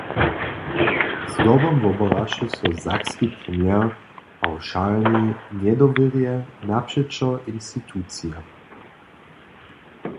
Zdobom wobaraše so sakski premier pawšalnej njedowěrje napřećo institucijam.